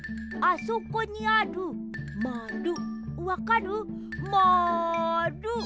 あそこにあるまるわかる？まる！